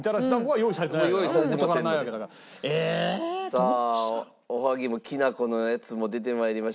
さあおはぎもきな粉のやつも出て参りましたちさ子さん。